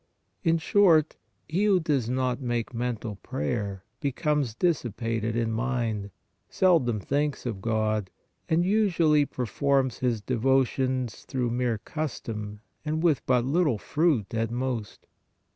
In short, he who does not make mental prayer, becomes dis sipated in mind, seldom thinks of God and usually performs his devotions through mere custom and with but little fruit at most.